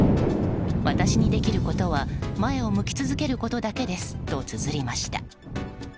私にできることは前を向き続けることだけですとつづりました。